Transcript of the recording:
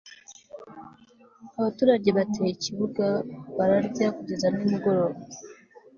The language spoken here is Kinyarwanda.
abaturage bateye ikibuga bararya kugeza nimugoroba